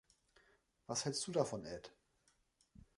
Was hältst du davon, Ed?